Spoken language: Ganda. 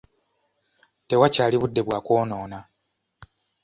Tewakyali budde bwakwonoona.